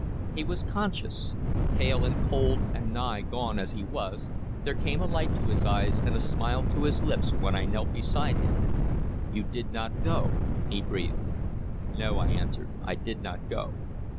He was conscious. Pale and cold and nigh gone as he was, there came a light to his eyes and a smile to his lips when I knelt beside him. "You did not go?" he breathed. "No," I answered, "I did not go."